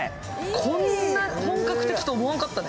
こんな本格的と思わんかったね。